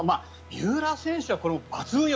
三浦選手は抜群よ。